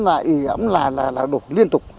đổ xuống lại là đổ liên tục